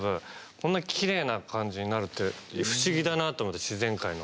こんなきれいな感じになるって不思議だなと思って自然界の。